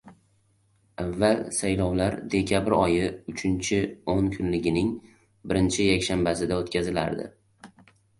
Avval saylovlar dekabr oyi uchinchi oʻn kunligining birinchi yakshanbasida oʻtkazilardi.